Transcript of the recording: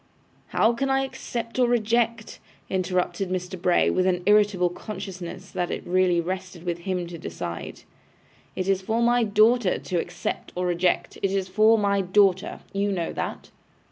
'How can I accept or reject,' interrupted Mr. Bray, with an irritable consciousness that it really rested with him to decide. 'It is for my daughter to accept or reject; it is for my daughter. You know that.